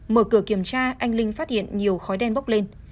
mở cửa kiểm tra anh linh phát hiện nhiều khói đen bốc lên